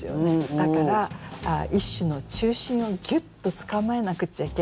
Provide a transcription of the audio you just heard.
だから一首の中心をギュッとつかまえなくちゃいけないんですけど。